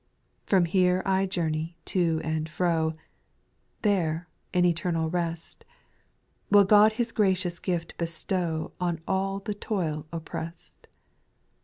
For here I journey to and fro, There, in eternal rest, Will God His gracious gift bestow On all the toil oppressed.